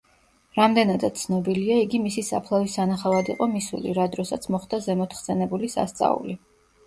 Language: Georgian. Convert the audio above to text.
რამდენადაც ცნობილია, იგი მისი საფლავის სანახავად იყო მისული, რა დროსაც მოხდა ზემოთ ხსენებული სასწაული.